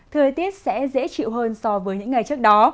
thời tiết sẽ dễ chịu hơn so với những ngày trước đó